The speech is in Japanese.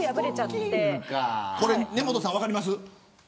根本さん分かります。